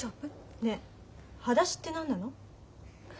ねえはだしって何なの？